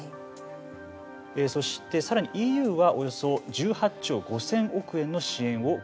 そして、さらにＥＵはおよそ１８兆５０００億円の支援を検討と。